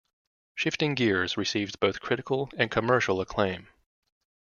"Shifting Gears" received both critical and commercial acclaim.